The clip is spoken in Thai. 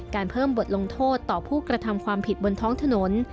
เพิ่มบทลงโทษต่อผู้กระทำความผิดบนท้องถนน